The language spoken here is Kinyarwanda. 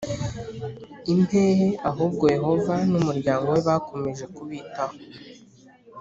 impehe Ahubwo Yehova n umuryango we bakomeje kubitaho